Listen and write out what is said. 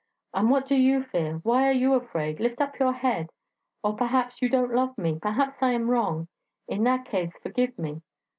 And what do you fear? why are you afraid? Lift up your head... Or, perhaps, you don't love me; perhaps I am wrong... In that case, forgive me.'